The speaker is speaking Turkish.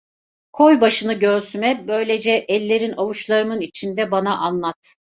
Koy başını göğsüme, böylece, ellerin avuçlarımın içinde bana anlat.